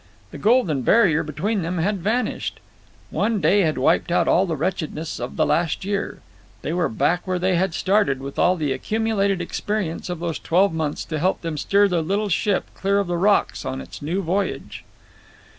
The golden barrier between them had vanished. One day had wiped out all the wretchedness of the last year. They were back where they had started, with all the accumulated experience of those twelve months to help them steer their little ship clear of the rocks on its new voyage.